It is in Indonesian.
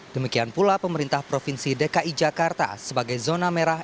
demikian pula pemerintah provinsi dki jakarta sebagai zona merah